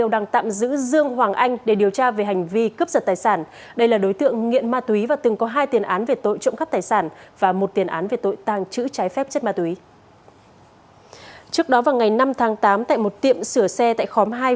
dương hoàng anh đã lấy trộm một chiếc xe máy